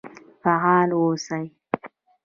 فعال و اوسئ